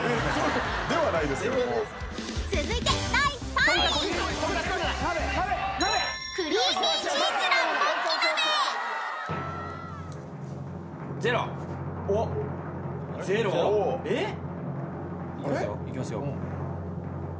［続いて第３位］いきますよいきますよ。